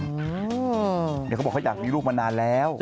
เขาบอกเขาอยากมีลูกมานานแล้ว